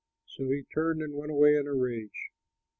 So he turned and went away in a rage.